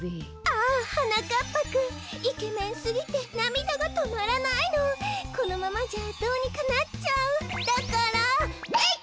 ああはなかっぱくんイケメンすぎてなみだがとまらないのこのままじゃどうにかなっちゃうだからえいっ！